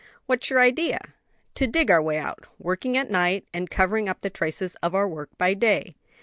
"What's your idea?" "To dig our way out, working at night, and covering up the traces of our work by day."